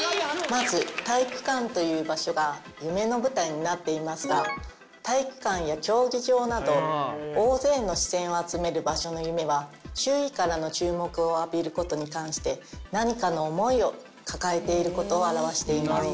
まず体育館という場所が夢の舞台になっていますが体育館や競技場など大勢の視線を集める場所の夢は周囲からの注目を浴びることに関して何かの思いを抱えている事を表しています。